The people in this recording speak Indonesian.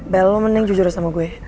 bella lo mending jujur deh sama gue